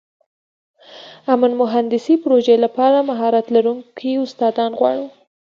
امن مهندسي پروژې لپاره مهارت لرونکي استادان غواړو.